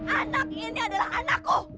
anak ini adalah anakku